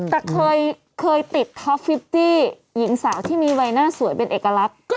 แต่เคยติดท็อป๕๐วิบสาวที่มีใบน่าสวยเป็นเอกลักษณ์